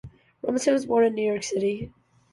Robinson was born in New York City.